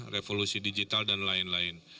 revolusi digital dan lain lain